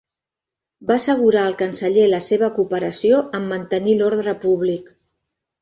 Va assegurar al canceller la seva cooperació en mantenir l'ordre públic.